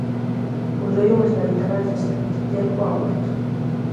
Botoulle unhas galletadas de esterco á horta.